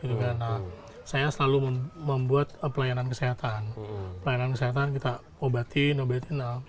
nah saya selalu membuat pelayanan kesehatan pelayanan kesehatan kita obatin obatin